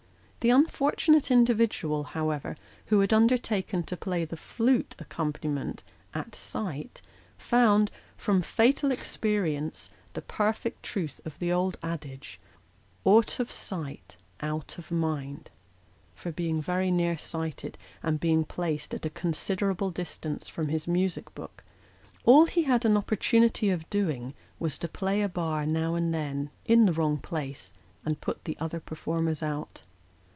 The unfortunate individual, how ever, who had undertaken to play the flute accompaniment " at sight," found, from fatal experience, the perfect truth of the old adage, " out of sight, out of mind ;" for being very near sighted, and being placed at a considerable distance from his music book, all he had an oppor tunity of doing was to play a bar now and then in the wrong place, and put the other performers out.